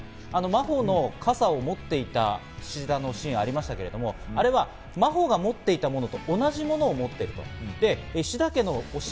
真帆の傘を持っていた菱田のシーンがありましたけど、あれは真帆が持っていたものと同じものを持っていると。